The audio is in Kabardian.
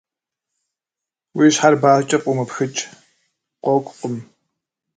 Уи щхьэр базкӏэ фӏумыпхыкӏ, къокӏукъым.